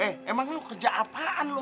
eh emang lo kerja apaan lo